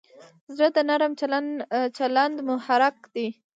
زړه د نرم چلند محرک دی.